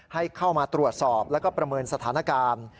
ให้เข้ามาตรวจสอบแล้วก็ประเมินสถานการณ์